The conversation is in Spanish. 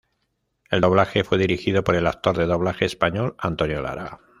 El doblaje fue dirigido por el actor de doblaje español Antonio Lara.